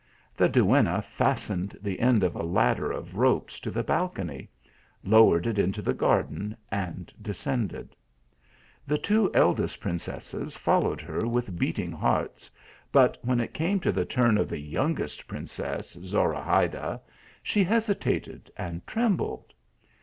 The duenna fastened the end of a ladder of ropes to the balcony, lowered it into the garden, and descended. The two eldest princesses followed her with beating hearts ; but when it came to the turn of the youngest princess, Zorahayda, she hesitated and trembled.